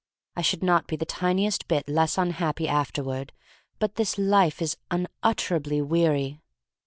I should not be the tiniest bit less unhappy afterward — but this life is unutterably weary.